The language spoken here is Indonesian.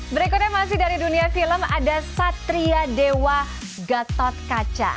berikutnya masih dari dunia film ada satria dewa gatot kaca